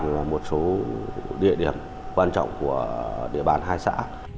và một số địa điểm quan trọng của địa bàn hai xã